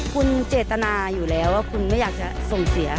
คุณเจตนาอยู่แล้วว่าคุณไม่อยากจะส่งเสีย